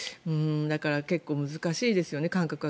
だから、結構難しいですよね。